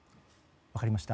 分かりました。